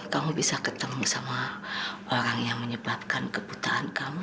kamu bisa ketemu sama orang yang menyebabkan kebutaan kamu